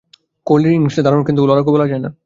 কোহলির ইনিংসটা দারুণ বলা যায়, কিন্তু লড়াকু বলা যায় না।